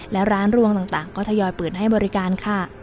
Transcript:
และร้านรวงต่างก็ทยอยเปิดให้บริการค่ะ